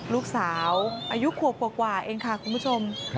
ลูกสาวอายุขวบกว่าเองค่ะคุณผู้ชม